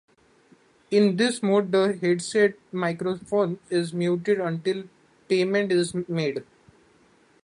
In this mode, the handset microphone is muted until payment is made.